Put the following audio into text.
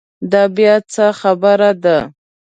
دا بیا څه خبره ده.